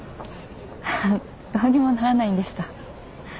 ハハどうにもならないんでした。